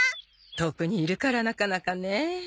遠くにいるからなかなかね。